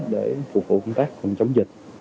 để phục vụ công tác phòng chống dịch